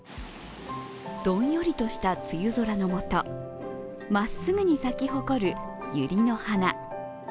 どんよりとした梅雨空のもと、まっすぐに咲き誇るユリの花。